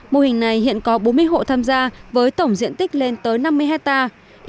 mô hình này hiện có bốn mươi hộ tham gia với tổng diện tích lên tới năm mươi hectare